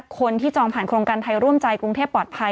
คนที่จองผ่านโครงการไทยร่วมใจกรุงเทพปลอดภัย